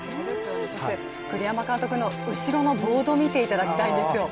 そして栗山監督の後ろのボード見ていただきたいんですよ。